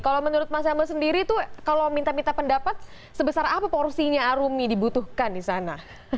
kalau menurut mas emil sendiri tuh kalau minta minta pendapat sebesar apa porsinya arumi dibutuhkan di sana